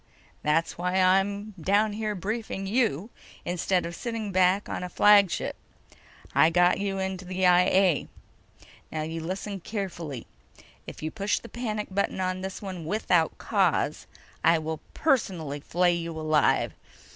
"That's why I'm down here briefing you instead of sitting back on a flagship. I got you into the I A. Now, you listen carefully: If you push the panic button on this one without cause, I will personally flay you alive.